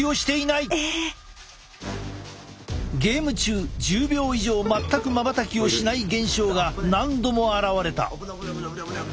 ゲーム中１０秒以上全くまばたきをしない現象が何度も現れた。